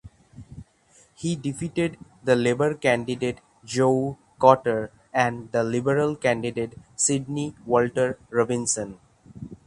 He defeated the Labour candidate Joe Cotter and the Liberal candidate Sydney Walter Robinson.